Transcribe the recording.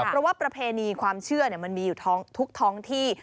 เพราะว่าประเพณีความเชื่อมันมีอยู่ทุกท้องที่